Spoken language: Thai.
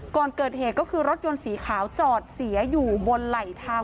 ก่อนเกิดเหตุก็คือรถยนต์สีขาวจอดเสียอยู่บนไหลทาง